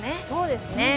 そうですね。